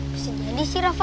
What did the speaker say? bagaimana sih rafa